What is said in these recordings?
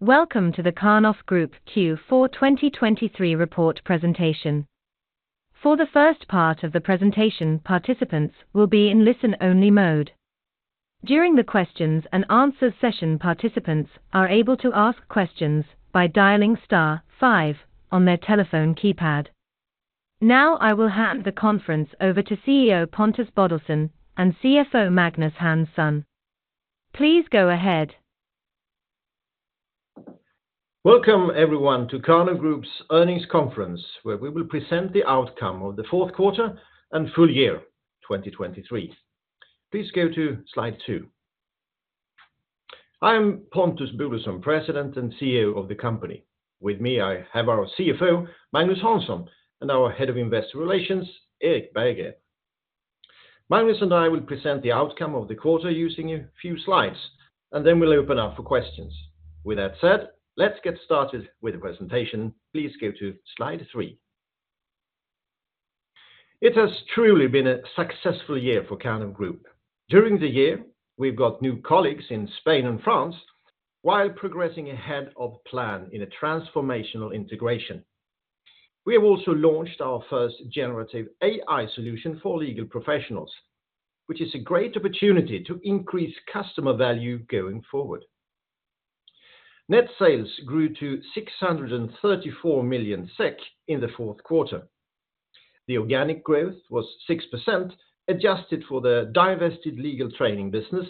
Welcome to the Karnov Group Q4 2023 report presentation. For the first part of the presentation, participants will be in listen-only mode. During the questions and answers session, participants are able to ask questions by dialing star five star on their telephone keypad. Now I will hand the conference over to CEO Pontus Bodelsson and CFO Magnus Hansson. Please go ahead. Welcome everyone to Karnov Group's earnings conference, where we will present the outcome of the fourth quarter and full year 2023. Please go to slide two. I am Pontus Bodelsson, President and CEO of the company. With me, I have our CFO Magnus Hansson and our Head of Investor Relations, Erik Berggren. Magnus and I will present the outcome of the quarter using a few slides, and then we'll open up for questions. With that said, let's get started with the presentation. Please go to slide three. It has truly been a successful year for Karnov Group. During the year, we've got new colleagues in Spain and France while progressing ahead of plan in a transformational integration. We have also launched our first generative AI solution for legal professionals, which is a great opportunity to increase customer value going forward. Net sales grew to 634 million SEK in the fourth quarter. The organic growth was 6%, adjusted for the divested legal training business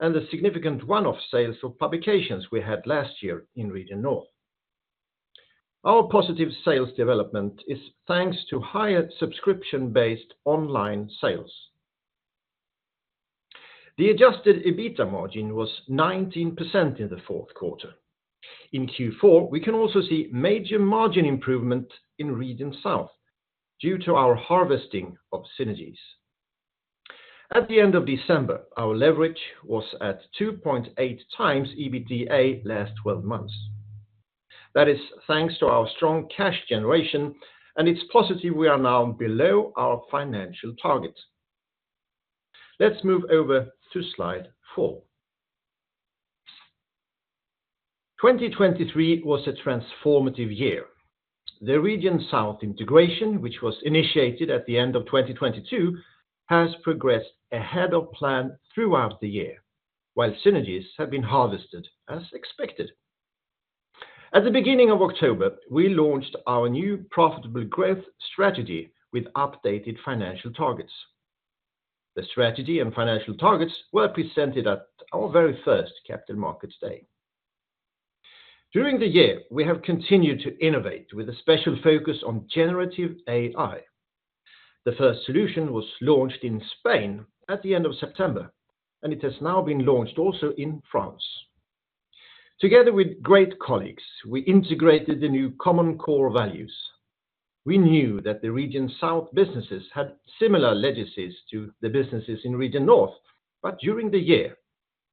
and the significant one-off sales of publications we had last year in Region North. Our positive sales development is thanks to higher subscription-based online sales. The adjusted EBITDA margin was 19% in the fourth quarter. In Q4, we can also see major margin improvement in Region South due to our harvesting of synergies. At the end of December, our leverage was at 2.8 times EBITDA last 12 months. That is thanks to our strong cash generation, and it's positive we are now below our financial target. Let's move over to slide four. 2023 was a transformative year. The Region South integration, which was initiated at the end of 2022, has progressed ahead of plan throughout the year, while synergies have been harvested as expected. At the beginning of October, we launched our new profitable growth strategy with updated financial targets. The strategy and financial targets were presented at our very first Capital Markets Day. During the year, we have continued to innovate with a special focus on generative AI. The first solution was launched in Spain at the end of September, and it has now been launched also in France. Together with great colleagues, we integrated the new common core values. We knew that the Region South businesses had similar legacies to the businesses in Region North, but during the year,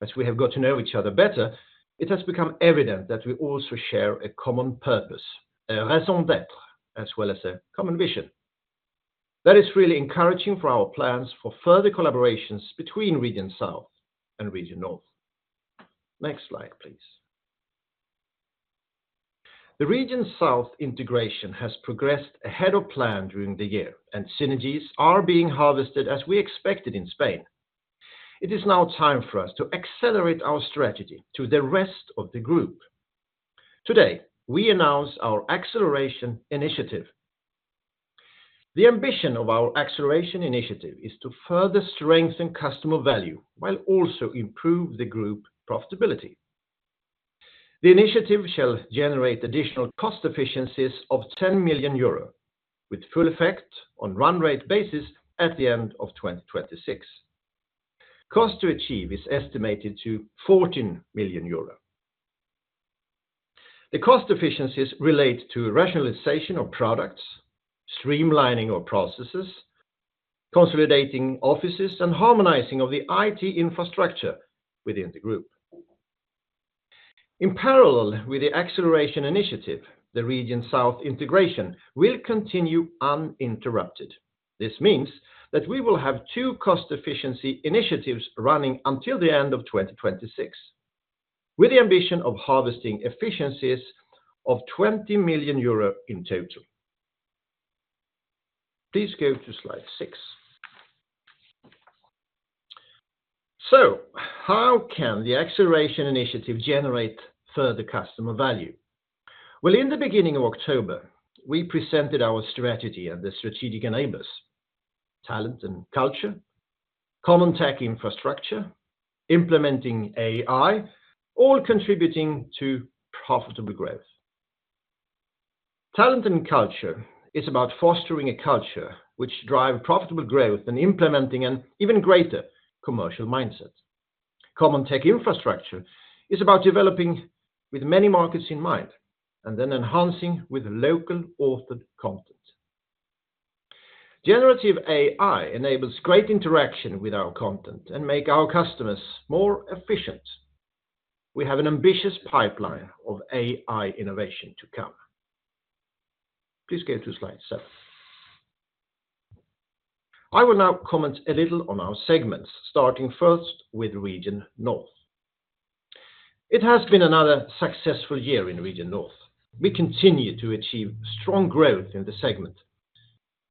as we have got to know each other better, it has become evident that we also share a common purpose, a raison d'être, as well as a common vision. That is really encouraging for our plans for further collaborations between Region South and Region North. Next slide, please. The Region South integration has progressed ahead of plan during the year, and synergies are being harvested as we expected in Spain. It is now time for us to accelerate our strategy to the rest of the group. Today, we announce our acceleration initiative. The ambition of our acceleration initiative is to further strengthen customer value while also improve the group profitability. The initiative shall generate additional cost efficiencies of 10 million euro with full effect on run rate basis at the end of 2026. Cost to achieve is estimated to 14 million euro. The cost efficiencies relate to rationalization of products, streamlining of processes, consolidating offices, and harmonizing of the IT infrastructure within the group. In parallel with the acceleration initiative, the Region South integration will continue uninterrupted. This means that we will have two cost efficiency initiatives running until the end of 2026 with the ambition of harvesting efficiencies of 20 million euro in total. Please go to slide six. So how can the acceleration initiative generate further customer value? Well, in the beginning of October, we presented our strategy and the strategic enablers: talent and culture, common tech infrastructure, implementing AI, all contributing to profitable growth. Talent and culture is about fostering a culture which drives profitable growth and implementing an even greater commercial mindset. Common tech infrastructure is about developing with many markets in mind and then enhancing with locally authored content. Generative AI enables great interaction with our content and makes our customers more efficient. We have an ambitious pipeline of AI innovation to come. Please go to slide seven. I will now comment a little on our segments, starting first with Region North. It has been another successful year in Region North. We continue to achieve strong growth in the segment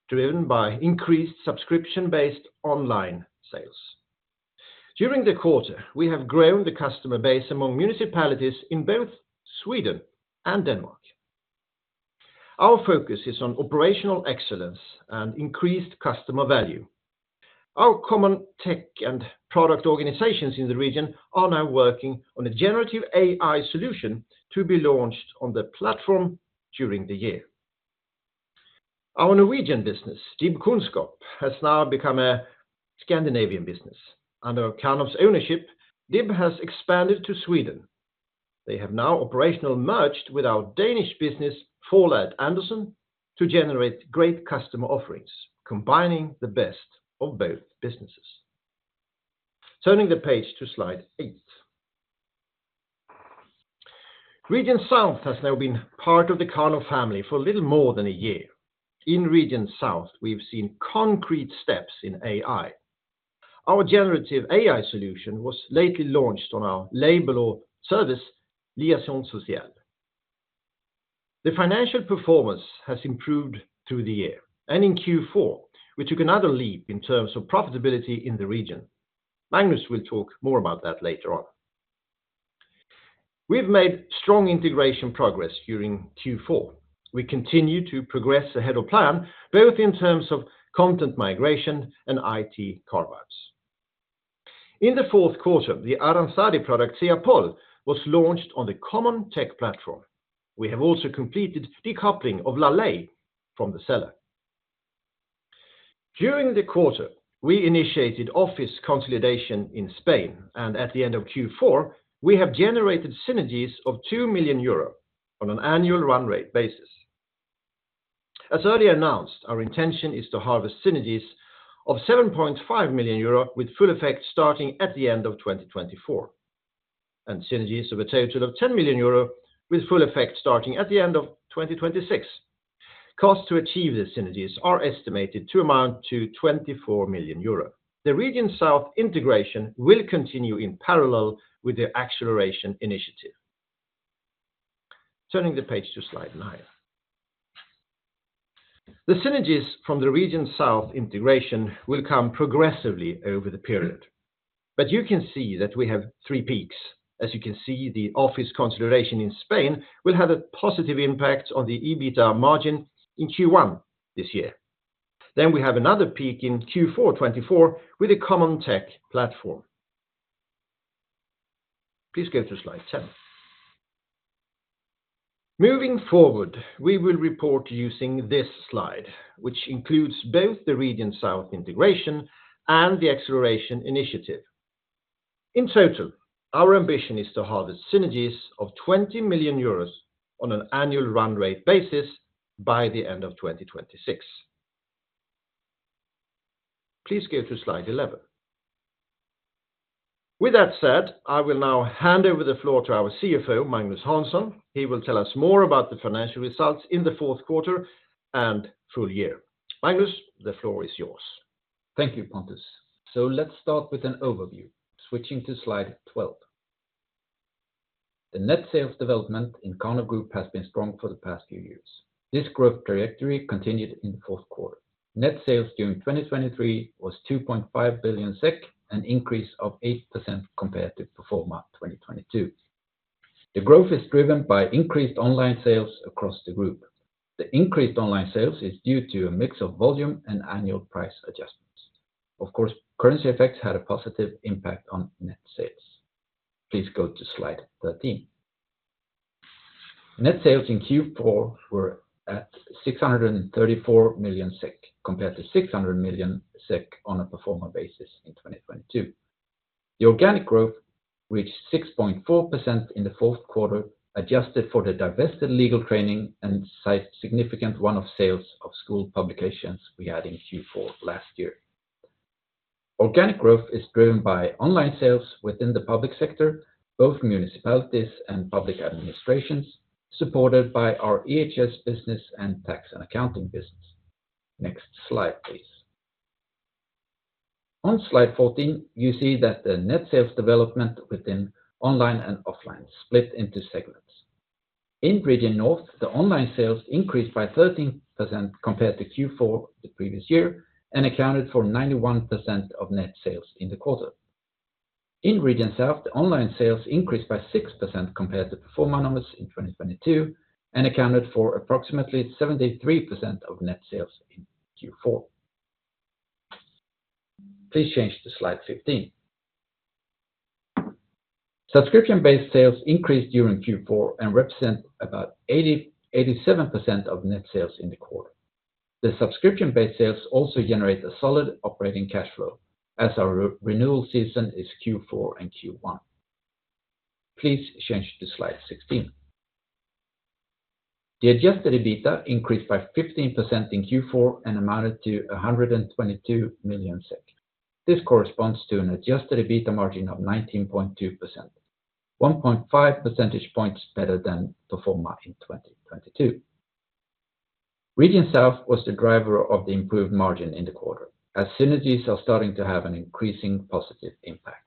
driven by increased subscription-based online sales. During the quarter, we have grown the customer base among municipalities in both Sweden and Denmark. Our focus is on operational excellence and increased customer value. Our common tech and product organizations in the region are now working on a generative AI solution to be launched on the platform during the year. Our Norwegian business, DIBkunnskap, has now become a Scandinavian business under Karnov's ownership. DIBkunnskap has expanded to Sweden. They have now operationally merged with our Danish business, Forlaget Andersen, to generate great customer offerings, combining the best of both businesses. Turning the page to slide eight. Region South has now been part of the Karnov family for a little more than a year. In Region South, we've seen concrete steps in AI. Our generative AI solution was lately launched on our label or service, Liaisons Sociales. The financial performance has improved through the year, and in Q4, we took another leap in terms of profitability in the region. Magnus will talk more about that later on. We've made strong integration progress during Q4. We continue to progress ahead of plan both in terms of content migration and IT carve-outs. In the fourth quarter, the Aranzadi product, Siapol, was launched on the common tech platform. We have also completed decoupling of LA LEY from the seller. During the quarter, we initiated office consolidation in Spain, and at the end of Q4, we have generated synergies of 2 million euro on an annual run rate basis. As earlier announced, our intention is to harvest synergies of 7.5 million euro with full effect starting at the end of 2024, and synergies of a total of 10 million euro with full effect starting at the end of 2026. Costs to achieve the synergies are estimated to amount to 24 million euros. The Region South integration will continue in parallel with the acceleration initiative. Turning the page to slide nine. The synergies from the Region South integration will come progressively over the period, but you can see that we have three peaks. As you can see, the office consolidation in Spain will have a positive impact on the EBITDA margin in Q1 this year. Then we have another peak in Q4 2024 with a common tech platform. Please go to slide 10. Moving forward, we will report using this slide, which includes both the Region South integration and the acceleration initiative. In total, our ambition is to harvest synergies of 20 million euros on an annual run rate basis by the end of 2026. Please go to slide 11. With that said, I will now hand over the floor to our CFO, Magnus Hansson. He will tell us more about the financial results in the fourth quarter and full year. Magnus, the floor is yours. Thank you, Pontus. So let's start with an overview, switching to slide 12. The net sales development in Karnov Group has been strong for the past few years. This growth trajectory continued in the fourth quarter. Net sales during 2023 was 2.5 billion SEK, an increase of 8% compared to pro forma 2022. The growth is driven by increased online sales across the group. The increased online sales is due to a mix of volume and annual price adjustments. Of course, currency effects had a positive impact on net sales. Please go to slide 13. Net sales in Q4 were at 634 million SEK compared to 600 million SEK on a pro forma basis in 2022. The organic growth reached 6.4% in the fourth quarter, adjusted for the divested legal training and significant one-off sales of school publications we had in Q4 last year. Organic growth is driven by online sales within the public sector, both municipalities and public administrations, supported by our EHS business and tax and accounting business. Next slide, please. On slide 14, you see that the net sales development within online and offline split into segments. In Region North, the online sales increased by 13% compared to Q4 the previous year and accounted for 91% of net sales in the quarter. In Region South, the online sales increased by 6% compared to pro forma numbers in 2022 and accounted for approximately 73% of net sales in Q4. Please change to slide 15. Subscription-based sales increased during Q4 and represent about 87% of net sales in the quarter. The subscription-based sales also generate a solid operating cash flow as our renewal season is Q4 and Q1. Please change to slide 16. The adjusted EBITDA increased by 15% in Q4 and amounted to 122 million SEK. This corresponds to an adjusted EBITDA margin of 19.2%, 1.5 percentage points better than performance in 2022. Region South was the driver of the improved margin in the quarter as synergies are starting to have an increasing positive impact.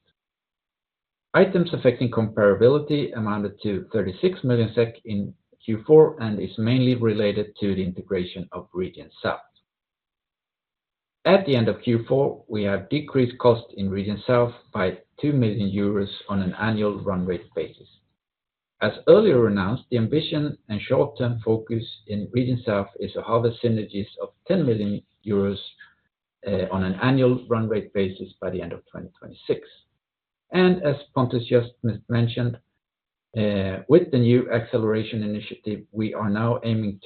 Items affecting comparability amounted to 36 million SEK in Q4 and is mainly related to the integration of Region South. At the end of Q4, we have decreased cost in Region South by 2 million euros on an annual run rate basis. As earlier announced, the ambition and short-term focus in Region South is to harvest synergies of 10 million euros on an annual run rate basis by the end of 2026. As Pontus just mentioned, with the new acceleration initiative, we are now aiming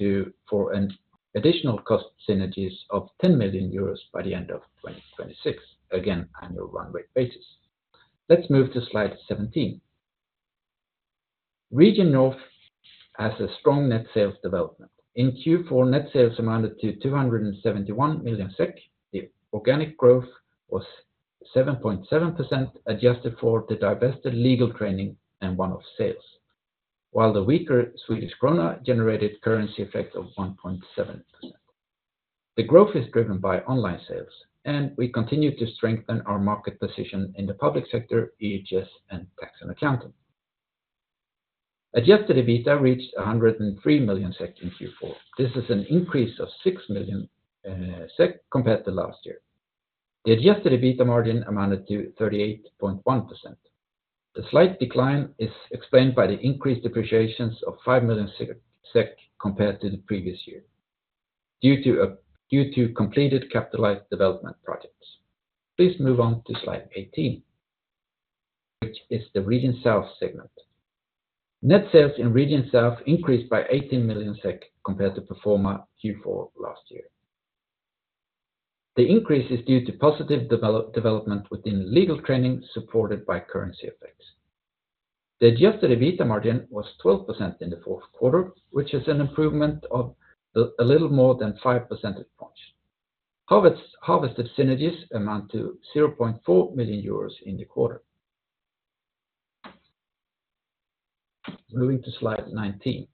for an additional cost synergies of 10 million euros by the end of 2026, again annual run rate basis. Let's move to slide 17. Region North has a strong net sales development. In Q4, net sales amounted to 271 million SEK. The organic growth was 7.7% adjusted for the divested legal training and one-off sales, while the weaker Swedish krona generated currency effect of 1.7%. The growth is driven by online sales, and we continue to strengthen our market position in the public sector, EHS, and tax and accounting. Adjusted EBITDA reached 103 million SEK in Q4. This is an increase of 6 million SEK compared to last year. The adjusted EBITDA margin amounted to 38.1%. The slight decline is explained by the increased depreciations of 5 million SEK compared to the previous year due to completed capitalized development projects. Please move on to slide 18, which is the Region South segment. Net sales in Region South increased by 18 million SEK compared to pro forma Q4 last year. The increase is due to positive development within legal training supported by currency effects. The Adjusted EBITDA margin was 12% in the fourth quarter, which is an improvement of a little more than 5 percentage points. Harvested synergies amount to 0.4 million euros in the quarter. Moving to slide 19,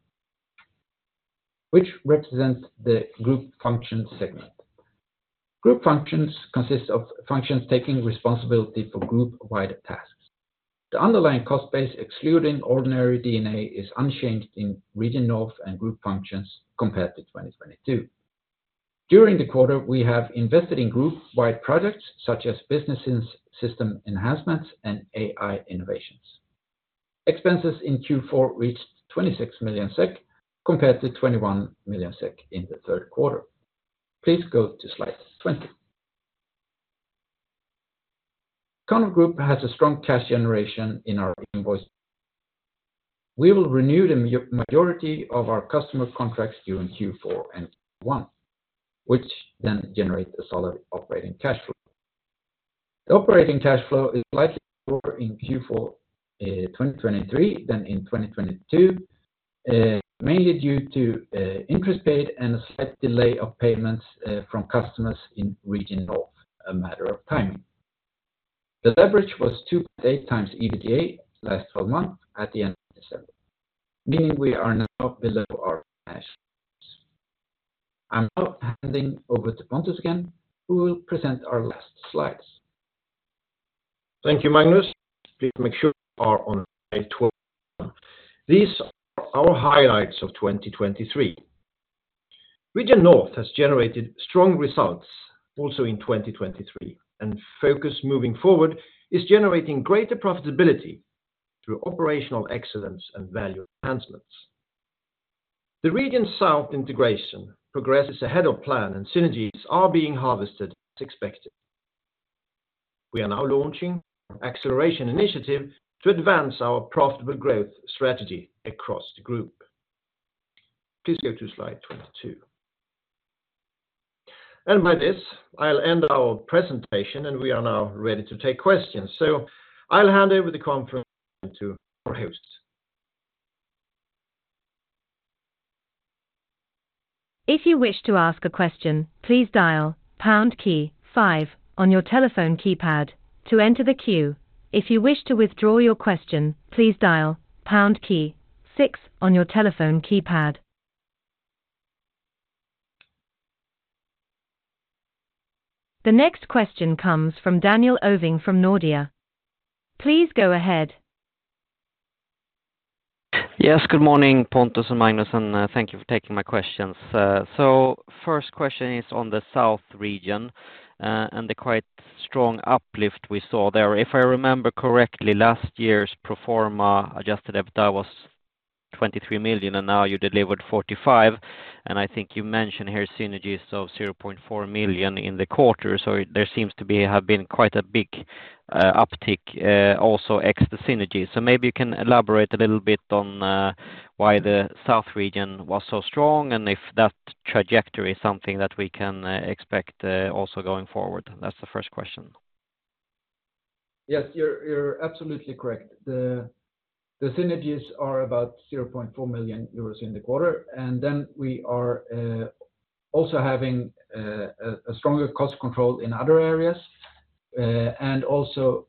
which represents the group functions segment. Group functions consist of functions taking responsibility for group-wide tasks. The underlying cost base, excluding ordinary one-offs, is unchanged in Region North and group functions compared to 2022. During the quarter, we have invested in group-wide projects such as business system enhancements and AI innovations. Expenses in Q4 reached 26 million SEK compared to 21 million SEK in the third quarter. Please go to slide 20. Karnov Group has a strong cash generation in our invoices. We will renew the majority of our customer contracts during Q4 and Q1, which then generate a solid operating cash flow. The operating cash flow is slightly lower in Q4 2023 than in 2022, mainly due to interest paid and a slight delay of payments from customers in Region North, a matter of timing. The leverage was 2.8 times EBITDA last 12 months at the end of December, meaning we are now below our cash flows. I'm now handing over to Pontus again, who will present our last slides. Thank you, Magnus. Please make sure you are on slide 12. These are our highlights of 2023. Region North has generated strong results also in 2023, and focus moving forward is generating greater profitability through operational excellence and value enhancements. The Region South integration progresses ahead of plan, and synergies are being harvested as expected. We are now launching our acceleration initiative to advance our profitable growth strategy across the group. Please go to slide 22. By this, I'll end our presentation, and we are now ready to take questions. I'll hand over the conference to our host. If you wish to ask a question, please dial pound key 5 on your telephone keypad to enter the queue. If you wish to withdraw your question, please dial pound key 6 on your telephone keypad. The next question comes from Daniel Ovin from Nordea. Please go ahead. Yes, good morning, Pontus and Magnus, and thank you for taking my questions. So first question is on the South region and the quite strong uplift we saw there. If I remember correctly, last year's pro forma Adjusted EBITDA was 23 million, and now you delivered 45 million. And I think you mentioned here synergies of 0.4 million in the quarter. So there seems to have been quite a big uptick also ex the synergies. So maybe you can elaborate a little bit on why the South region was so strong and if that trajectory is something that we can expect also going forward. That's the first question. Yes, you're absolutely correct. The synergies are about 0.4 million euros in the quarter. And then we are also having a stronger cost control in other areas and also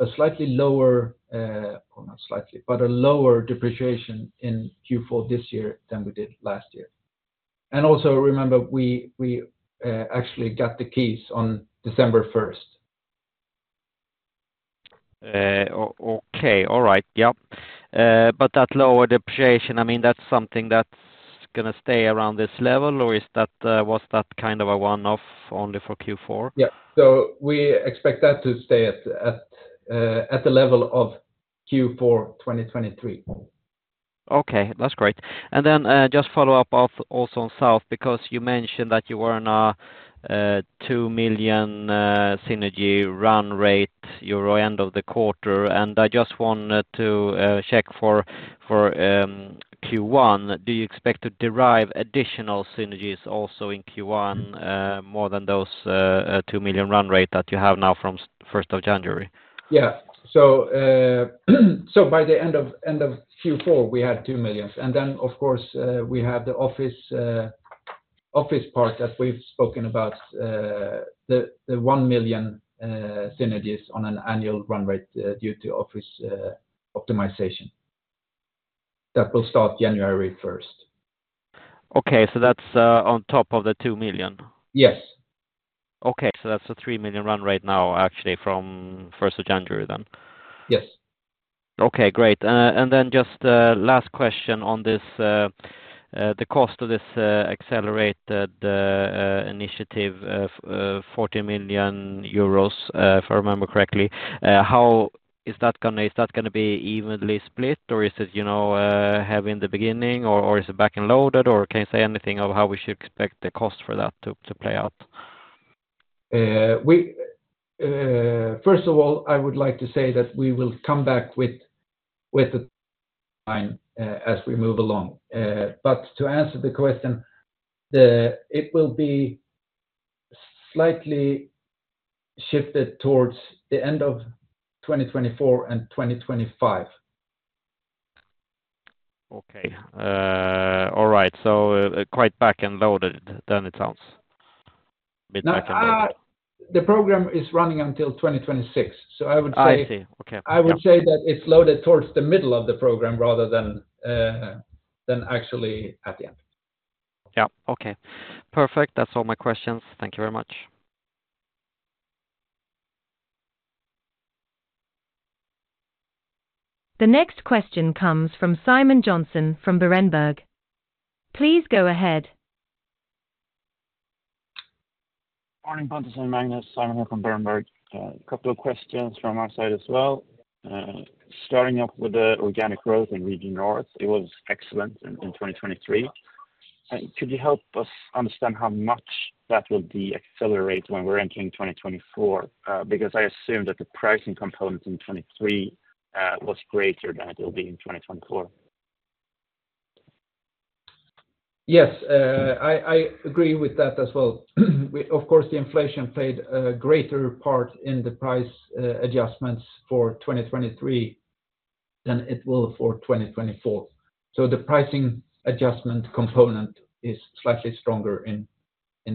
a slightly lower or not slightly, but a lower depreciation in Q4 this year than we did last year. And also remember, we actually got the keys on December 1st. Okay. All right. Yeah. But that lower depreciation, I mean, that's something that's going to stay around this level, or was that kind of a one-off only for Q4? Yeah. So we expect that to stay at the level of Q4 2023. Okay. That's great. And then just follow up also on South because you mentioned that you were on a 2 million synergy run rate euro end of the quarter. And I just wanted to check for Q1. Do you expect to derive additional synergies also in Q1 more than those 2 million run rate that you have now from 1st of January? Yes. So by the end of Q4, we had 2 million. And then, of course, we have the office part that we've spoken about, the 1 million synergies on an annual run rate due to office optimization that will start January 1st. Okay. That's on top of the 2 million? Yes. Okay. So that's a 3 million run rate now, actually, from 1st of January then? Yes. Okay. Great. And then just last question on this, the cost of this accelerated initiative, 40 million euros, if I remember correctly, how is that going to be evenly split, or is it front-loaded in the beginning, or is it back-loaded, or can you say anything of how we should expect the cost for that to play out? First of all, I would like to say that we will come back with the timeline as we move along. To answer the question, it will be slightly shifted towards the end of 2024 and 2025. Okay. All right. So quite back-loaded then, it sounds. A bit back-loaded. The program is running until 2026. So I would say. I see. Okay. I would say that it's loaded towards the middle of the program rather than actually at the end. Yeah. Okay. Perfect. That's all my questions. Thank you very much. The next question comes from Simon Jonsson from Berenberg. Please go ahead. Morning, Pontus and Magnus. Simon here from Berenberg. A couple of questions from our side as well. Starting off with the organic growth in Region North, it was excellent in 2023. Could you help us understand how much that will decelerate when we're entering 2024 because I assume that the pricing component in 2023 was greater than it will be in 2024? Yes. I agree with that as well. Of course, the inflation played a greater part in the price adjustments for 2023 than it will for 2024. So the pricing adjustment component is slightly stronger in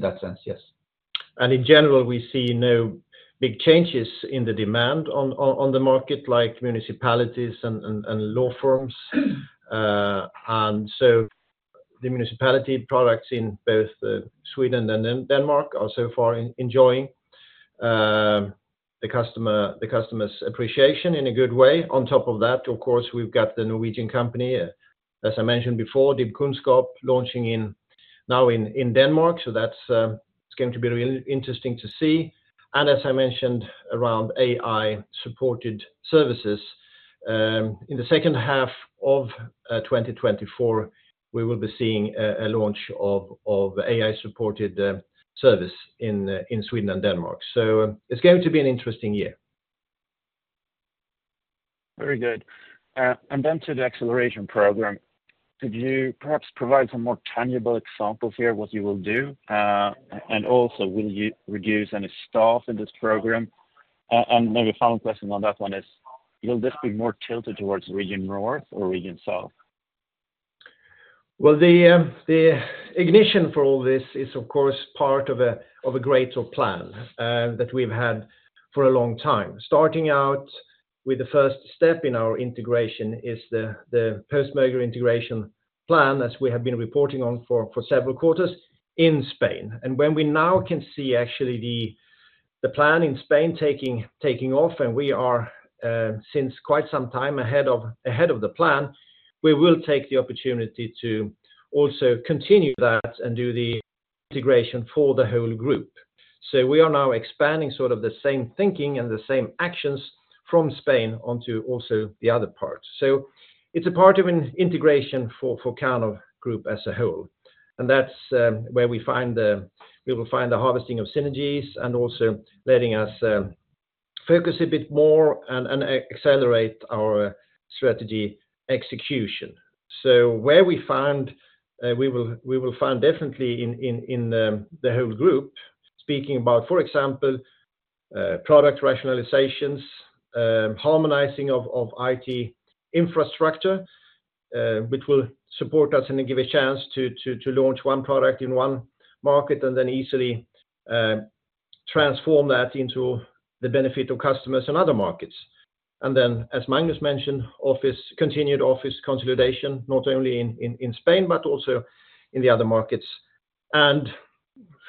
that sense, yes. In general, we see no big changes in the demand on the market like municipalities and law firms. So the municipality products in both Sweden and Denmark are so far enjoying the customer's appreciation in a good way. On top of that, of course, we've got the Norwegian company, as I mentioned before, DIBkunnskap, launching now in Denmark. So that's going to be really interesting to see. And as I mentioned, around AI-supported services. In the second half of 2024, we will be seeing a launch of AI-supported service in Sweden and Denmark. So it's going to be an interesting year. Very good. And then to the acceleration program, could you perhaps provide some more tangible examples here, what you will do? And also, will you reduce any staff in this program? And maybe a final question on that one is, will this be more tilted towards Region North or Region South? Well, the ignition for all this is, of course, part of a greater plan that we've had for a long time. Starting out with the first step in our integration is the post-merger integration plan, as we have been reporting on for several quarters, in Spain. And when we now can see actually the plan in Spain taking off, and we are since quite some time ahead of the plan, we will take the opportunity to also continue that and do the integration for the whole group. So we are now expanding sort of the same thinking and the same actions from Spain onto also the other parts. So it's a part of an integration for Karnov Group as a whole. And that's where we will find the harvesting of synergies and also letting us focus a bit more and accelerate our strategy execution. So we will find definitely in the whole group, speaking about, for example, product rationalizations, harmonizing of IT infrastructure, which will support us and give a chance to launch one product in one market and then easily transform that into the benefit of customers in other markets. Then, as Magnus mentioned, continued office consolidation, not only in Spain but also in the other markets.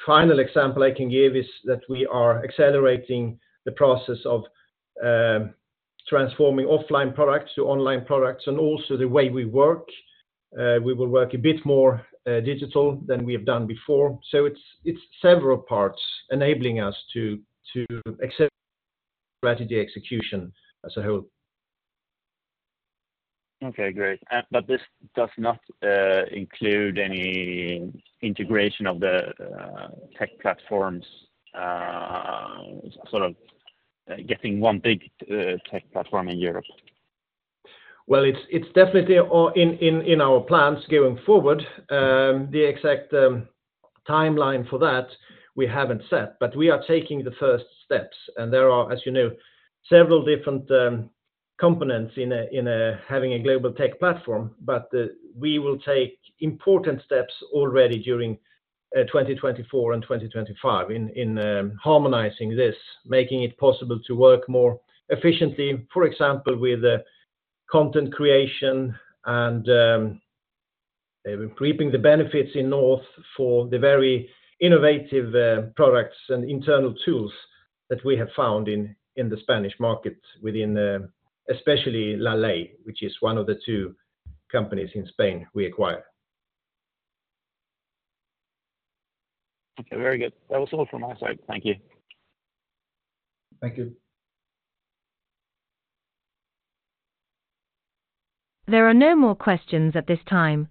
Final example I can give is that we are accelerating the process of transforming offline products to online products and also the way we work. We will work a bit more digital than we have done before. So it's several parts enabling us to accept strategy execution as a whole. Okay. Great. But this does not include any integration of the tech platforms, sort of getting one big tech platform in Europe? Well, it's definitely in our plans going forward. The exact timeline for that, we haven't set, but we are taking the first steps. There are, as you know, several different components in having a global tech platform. We will take important steps already during 2024 and 2025 in harmonizing this, making it possible to work more efficiently, for example, with content creation and reaping the benefits in North for the very innovative products and internal tools that we have found in the Spanish market, especially LA LEY, which is one of the two companies in Spain we acquired. Okay. Very good. That was all from my side. Thank you. Thank you. There are no more questions at this time,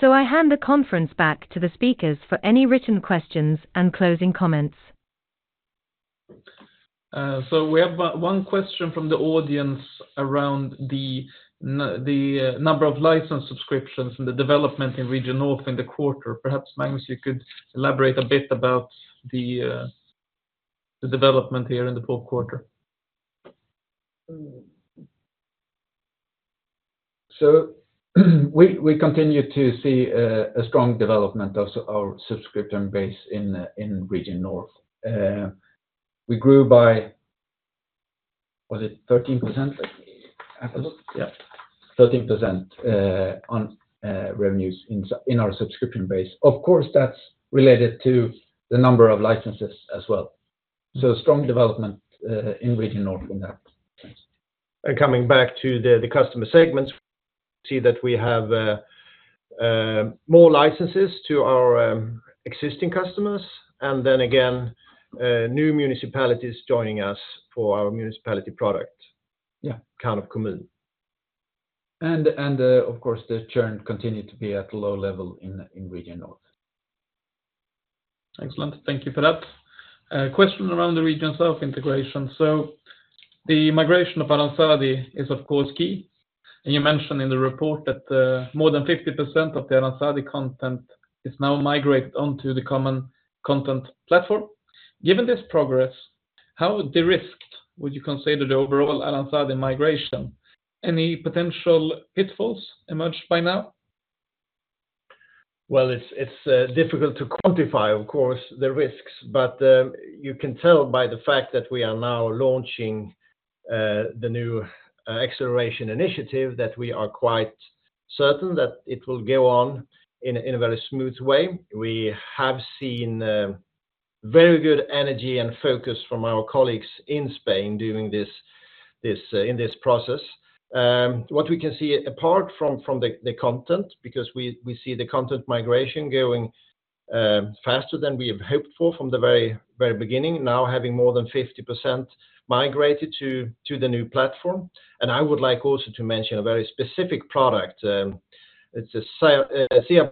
so I hand the conference back to the speakers for any written questions and closing comments. We have one question from the audience around the number of licensed subscriptions and the development in Region North in the quarter. Perhaps, Magnus, you could elaborate a bit about the development here in the fourth quarter. So we continue to see a strong development of our subscription base in Region North. We grew by, was it 13%? Yes. Yeah. 13% on revenues in our subscription base. Of course, that's related to the number of licenses as well. So strong development in Region North in that sense. Coming back to the customer segments, we see that we have more licenses to our existing customers and then again, new municipalities joining us for our municipality product, Karnov Kommun. Of course, the churn continued to be at a low level in Region North. Excellent. Thank you for that. Question around the Region South integration. So the migration of Aranzadi is, of course, key. And you mentioned in the report that more than 50% of the Aranzadi content is now migrated onto the common content platform. Given this progress, how derisked would you consider the overall Aranzadi migration? Any potential pitfalls emerged by now? Well, it's difficult to quantify, of course, the risks. But you can tell by the fact that we are now launching the new acceleration initiative that we are quite certain that it will go on in a very smooth way. We have seen very good energy and focus from our colleagues in Spain in this process. What we can see apart from the content, because we see the content migration going faster than we have hoped for from the very beginning, now having more than 50% migrated to the new platform. And I would like also to mention a very specific product. It's an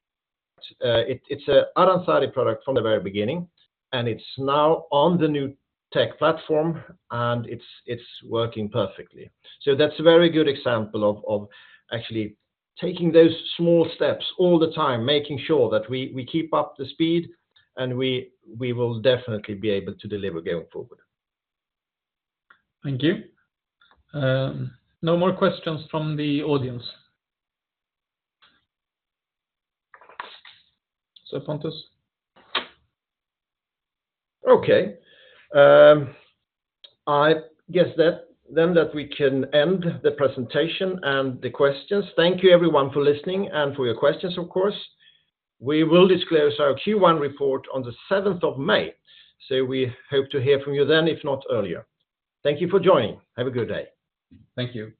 Aranzadi product from the very beginning, and it's now on the new tech platform, and it's working perfectly. That's a very good example of actually taking those small steps all the time, making sure that we keep up the speed, and we will definitely be able to deliver going forward. Thank you. No more questions from the audience. So, Pontus? Okay. I guess then that we can end the presentation and the questions. Thank you, everyone, for listening and for your questions, of course. We will disclose our Q1 report on the 7th of May, so we hope to hear from you then, if not earlier. Thank you for joining. Have a good day. Thank you.